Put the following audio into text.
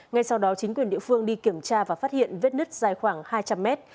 ngay sau đó chính quyền địa phương đi kiểm tra và phát hiện vết nứt dài khoảng hai trăm linh mét